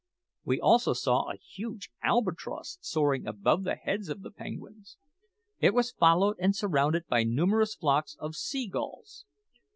We also saw a huge albatross soaring above the heads of the penguins. It was followed and surrounded by numerous flocks of sea gulls.